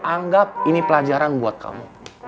anggap ini pelajaran buat kamu